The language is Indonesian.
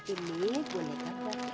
ini bunyi tante